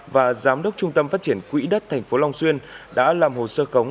và giám đốc trung tâm phát triển quỹ đất tp long xuyên đã làm hồ sơ khống